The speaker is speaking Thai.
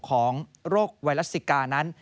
ของโรคไข้ซิกานั้น